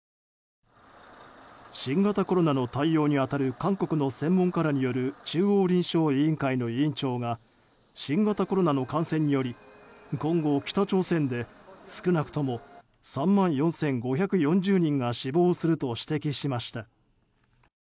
新型コロナの対応に当たる韓国の専門家らによる中央臨床委員会の委員長が新型コロナの感染により今後、北朝鮮で少なくとも３万４５４０人が死亡すると指摘しました。